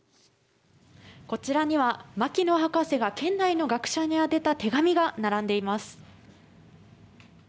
こちらには牧野博士が県内の学者にあてた手紙が並んでいます。